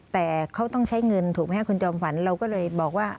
แต่เขาต้องใช้เงินถูกไหมครับคุณจอมขวัญเราก็เลยบอกว่า